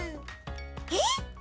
えっ！？